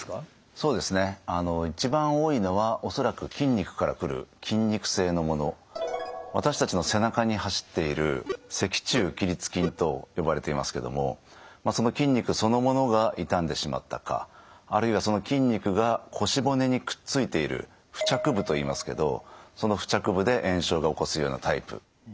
そうですね私たちの背中に走っている脊柱起立筋と呼ばれていますけども筋肉そのものがいたんでしまったかあるいはその筋肉が腰骨にくっついている付着部といいますけどその付着部で炎症が起こすようなタイプ。